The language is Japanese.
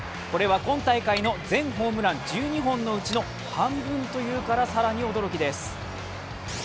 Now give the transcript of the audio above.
これは今大会の全ホームラン１２本のうちの半分というから更に驚きです。